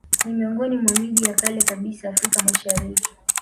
Ni miongoni mwa miji ya kale kabisa Afrika Mashariki